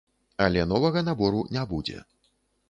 Але новага набору не будзе.